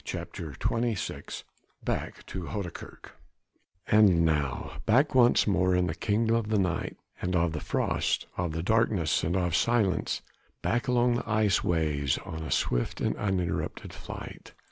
CHAPTER XXVI BACK TO HOUDEKERK And now back once more in the kingdom of the night and of the frost, of the darkness and of silence, back along the ice ways on a swift and uninterrupted flight.